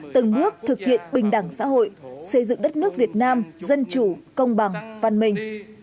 từng bước thực hiện bình đẳng xã hội xây dựng đất nước việt nam dân chủ công bằng văn minh